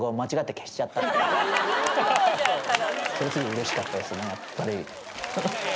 うれしかったですねやっぱり。